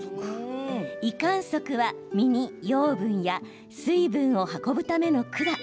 維管束は、実に水分や養分を運ぶための管。